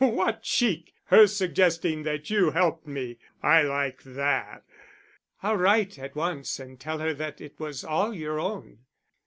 "What cheek her suggesting that you helped me! I like that." "I'll write at once and tell her that it was all your own."